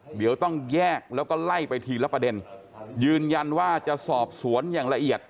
เดี๋ยวต้องแยกแล้วก็ไล่ไปทีละประเด็นยืนยันว่าจะสอบสวนอย่างละเอียด